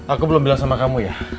aku belum bilang sama kamu ya